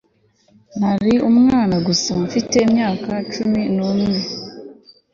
nari umwana gusa, mfite imyaka cumi n'umwe